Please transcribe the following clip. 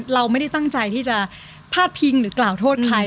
เราไม่ได้ตั้งใจที่จะพาดพิงหรือกล่าวโทษใคร